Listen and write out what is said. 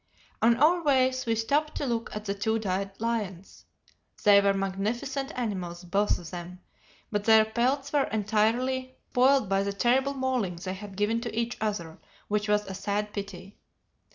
On our way we stopped to look at the two dead lions. They were magnificent animals, both of them, but their pelts were entirely spoiled by the terrible mauling they had given to each other, which was a sad pity.